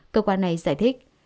cơ quan này giải thích